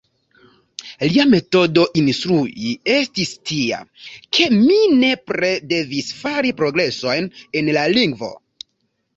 Lia metodo instrui estis tia, ke mi nepre devis fari progresojn en la lingvo.